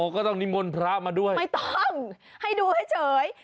ก็ต้องนิมนต์พระมาด้วยไม่ต้องให้ดูให้เฉย